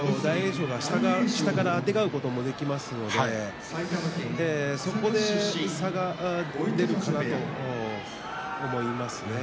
翔が下からあてがうこともできますしそこで差が出るかなと思いますね。